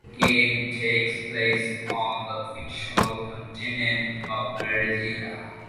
The game takes place on the fictional continent of Norzelia.